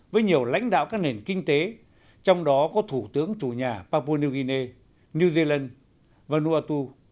với nhiều lãnh đạo các nền kinh tế trong đó có thủ tướng chủ nhà papua new guinea new zealand vanuatu